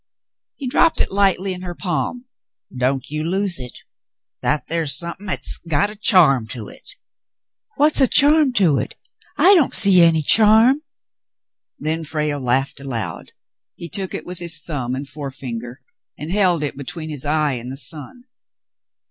He dropped it lightly in her palm. "Don't you lose hit. That thar's somethin' 'at's got a charm to hit." "\\Tiat's a 'charm to hit' ? I don't see any charm." Then Frale laughed aloud. He took it with his thumb and forefinger and held it between his eye and the sun.